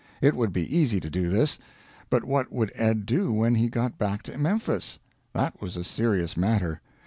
It would be easy to do this. But what would Ed do when he got back to Memphis? That was a serious matter.